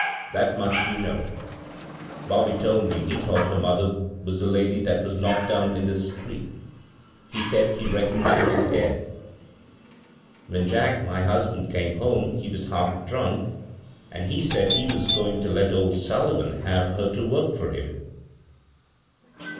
That much you know. 183 b, Google CROSS CURRENTS Bobby told me he thought her mother was the lady that was knocked down in the street He said he reckoned she was dead. When Jack, my husband, came home, he was half drunk, an' he s£ud he was goin' to let old SuUivan have her to work for him."